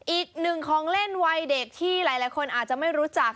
อีกหนึ่งของเล่นวัยเด็กที่ความทรงจรนน้อยมีที่หลายคนอาจจะไม่รู้จัก